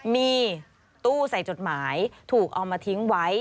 มีตู้ใส่จดหมายถูกเอามาทิ้งไว้